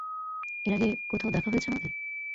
এর আগে কোথাও দেখা হয়েছে আমাদের?